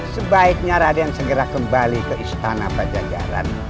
sebaiknya raden segera kembali ke istana pajajaran